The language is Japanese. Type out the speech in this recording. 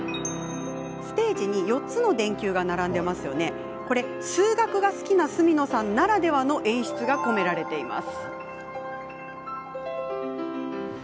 ステージに４つの電球が並んでいますが数学が好きな角野さんならではの演出が込められています。